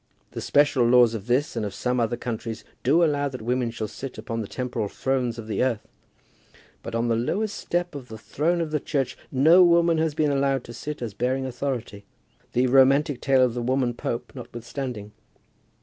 The special laws of this and of some other countries do allow that women shall sit upon the temporal thrones of the earth, but on the lowest step of the throne of the Church no woman has been allowed to sit as bearing authority, the romantic tale of the woman Pope notwithstanding.